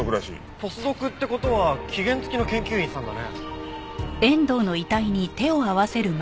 ポスドクって事は期限付きの研究員さんだね。